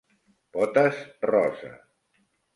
Potes rosa.